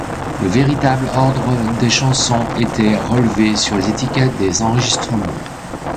Le véritable ordre des chansons était révélé sur les étiquettes des enregistrements.